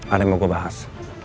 ada yang mau gue bahas